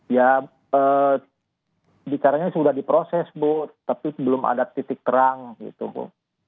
ya bicaranya sudah diproses bu tapi belum ada titik terang gitu bu